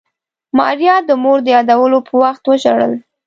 ماريا د مور د يادولو په وخت وژړل.